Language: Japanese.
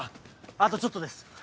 あとちょっとです。